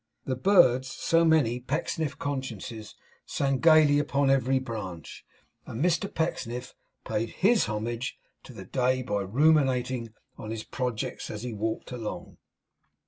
The birds, so many Pecksniff consciences, sang gayly upon every branch; and Mr Pecksniff paid HIS homage to the day by ruminating on his projects as he walked along.